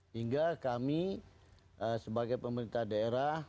hingga kami sebagai pemerintah daerah